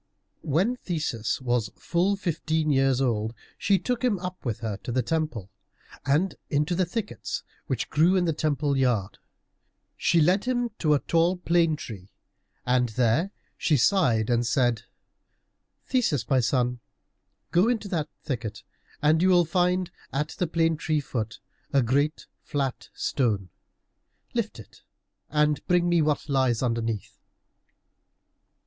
When Theseus was full fifteen years old, she took him up with her to the temple, and into the thickets which grew in the temple yard. She led him to a tall plane tree, and there she sighed and said, "Theseus, my son, go into that thicket and you will find at the plane tree foot a great flat stone. Lift it, and bring me what lies underneath."